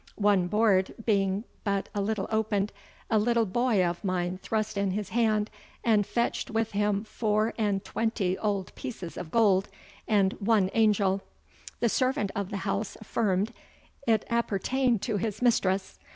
One board being bot a litle opend, a litle boy of mine thrust in his hand, and fetchd with him foure and tuentie old peeces of gold, and one angell. The servant of the house affirmed it appertained to his mistres.